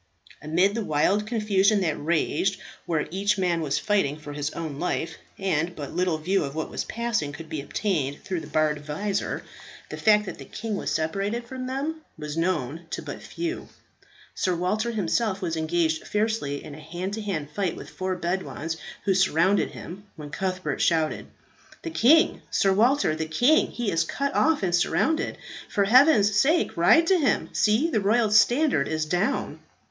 Amid the wild confusion that raged, where each man was fighting for his own life, and but little view of what was passing could be obtained through the barred visor, the fact that the king was separated from them was known to but few. Sir Walter himself was engaged fiercely in a hand to hand fight with four Bedouins who surrounded him, when Cuthbert shouted, "The king, Sir Walter! the king! He is cut off and surrounded! For heaven's sake ride to him. See! the royal standard is down."